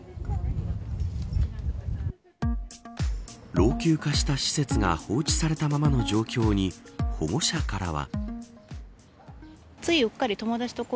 老朽化した施設が放置されたままの状況に保護者からは。